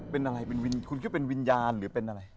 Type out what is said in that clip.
เป็นอะไรคุณคิดว่าเป็นวิญญาณหรือเป็นอะไร